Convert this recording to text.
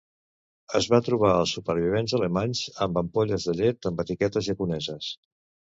Es va trobar als supervivents alemanys amb ampolles de llet amb etiquetes japoneses.